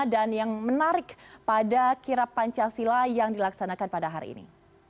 dan yang menarik pada kera pancasila yang dilaksanakan pada hari ini